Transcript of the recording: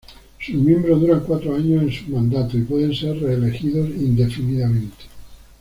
Sus miembros duran cuatro años en sus mandatos y pueden ser reelegidos indefinidamente.